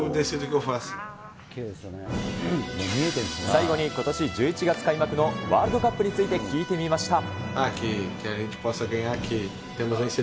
最後にことし１１月開幕のワールドカップについて聞いてみました。